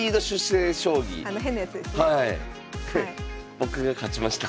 僕が勝ちました。